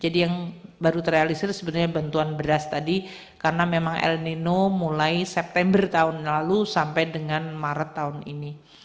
jadi yang baru terrealisasi sebenarnya bantuan beras tadi karena memang el nino mulai september tahun lalu sampai dengan maret tahun ini